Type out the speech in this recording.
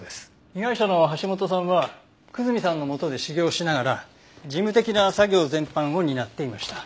被害者の橋本さんは久住さんの下で修業をしながら事務的な作業全般を担っていました。